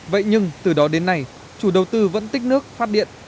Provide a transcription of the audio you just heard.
vậy nhưng từ đó đến nay chủ đầu tư vẫn tích nước phát điện